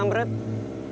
saya masih terus merasa